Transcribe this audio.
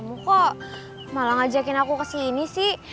kamu kok malah ngajakin aku kesini sih